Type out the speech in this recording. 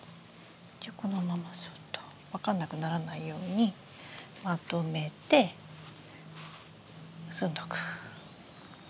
じゃこのままそっと分かんなくならないようにまとめて結んどく。